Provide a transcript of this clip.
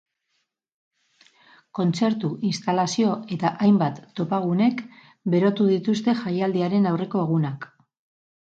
Kontzertu, instalazio eta hainbat topagunek berotu dituzte jaialdiaren aurreko egunak.